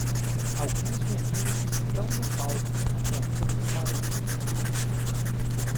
Alguns meninos estão no palco apontando para o céu.